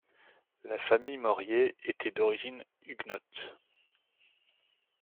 La famille Morier était d'origine huguenote.